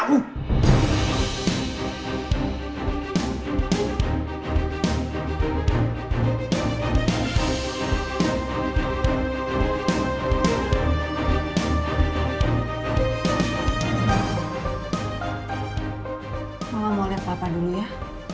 mama mau liat papa dulu ya